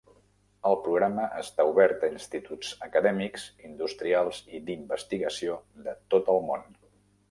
El programa està obert a instituts acadèmics, industrials i d"investigació de tot el món.